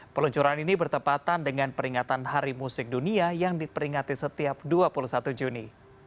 peluncuran ini bertepatan dengan peringatan hari musik dunia yang diperingati setiap dua puluh satu juni